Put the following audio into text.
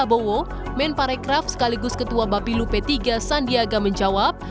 prabowo men parekraf sekaligus ketua bapilu p tiga sandiaga menjawab